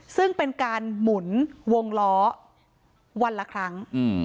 ซึ่งเป็นการหมุนวงล้อวันละครั้ง